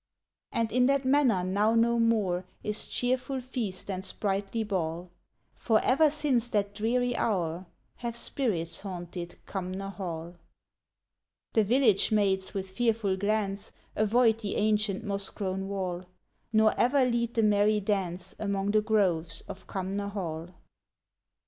And in that manor now no more Is cheerful feast and sprightly ball; For ever since that dreary hour Have spirits haunted Cumnor Hall. The village maids, with fearful glance, Avoid the ancient moss grown wall, Nor ever lead the merry dance, Among the groves of Cumnor Hall.